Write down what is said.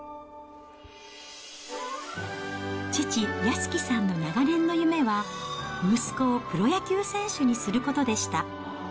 父、安喜さんの長年の夢は、息子をプロ野球選手にすることでした。